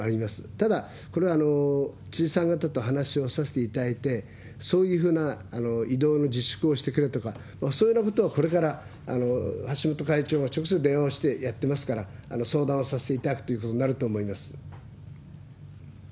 ただ、これ、知事さん方と話をしていただいて、そういうふうな移動の自粛をしてくれとか、そういうようなことはこれから橋本会長が直接電話をしてやってますから、相談をさせていただくということになると思います。